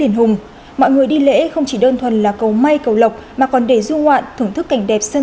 những người gặp hoàn hảo khó khăn